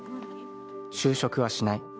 就職はしない。